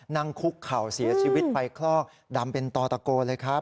นั่งคุกเข่าเสียชีวิตไฟคลอกดำเป็นต่อตะโกเลยครับ